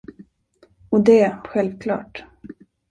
Och det, självklart.